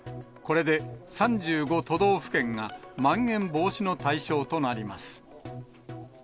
これで３５都道府県がまん延防止の対象となります。